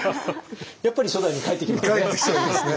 やっぱり初代に返ってきますね。